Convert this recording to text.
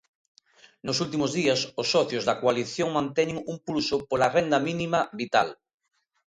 Nos últimos días, os socios da coalición manteñen un pulso pola renda mínima vital.